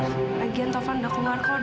lagian taufan udah keluar kok dari rumah sakit